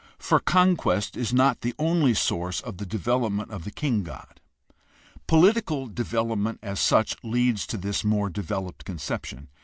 For conquest is not the only source of the development of the king god. Political development as such leads to this more developed conception.